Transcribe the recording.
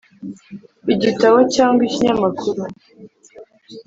igitabo cyangwa ikinyamakuru.